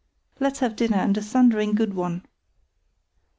Let's have dinner, and a thundering good one!"